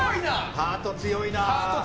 ハート強いな。